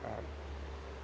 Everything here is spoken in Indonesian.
saya punya dua anak